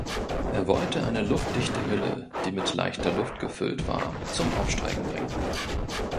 Er wollte eine luftdichte Hülle, die mit „leichter Luft“ gefüllt war, zum Aufsteigen bringen.